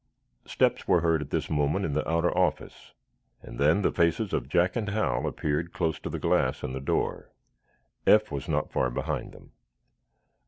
Steps were heard, at this moment, in the outer office, and then the faces of Jack and Hal appeared close to the glass in the door. Eph was not far behind them.